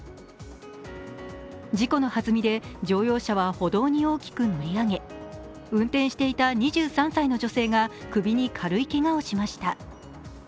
事故のはずみで乗用車は歩道に大きく乗り上げ運転していた２３歳の女性が首に軽いけがをしました。